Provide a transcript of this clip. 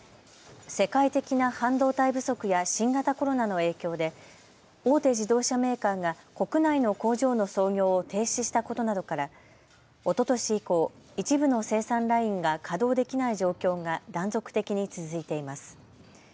世界的な半導体不足や新型コロナの影響で大手自動車メーカーが国内の工場の操業を停止したことなどからおととし以降、一部の生産ラインが稼働できない状況が断続的に続いています。